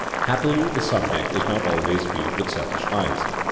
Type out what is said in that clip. Happily the subject is not always viewed with selfish eyes.